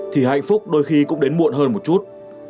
thì hạnh phúc đôi khi cũng đến muộn hơn một chút